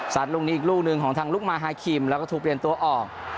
ลูกนี้อีกลูกหนึ่งของทางลุกมาฮาคิมแล้วก็ถูกเปลี่ยนตัวออก